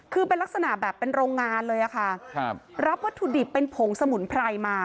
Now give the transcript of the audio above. คือเป็นลักษณะแบบเป็นโรงงานเลยอะค่ะครับรับวัตถุดิบเป็นผงสมุนไพรมา